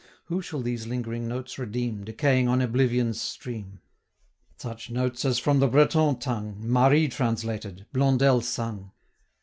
Who shall these lingering notes redeem, Decaying on Oblivion's stream; Such notes as from the Breton tongue 145 Marie translated, Blondel sung?